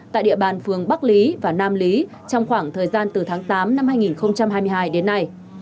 tại địa bàn phường bắc lý và nam lý trong khoảng thời gian từ tháng tám năm hai nghìn hai mươi hai đến nay